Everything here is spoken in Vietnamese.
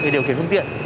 điều kiểm không tiện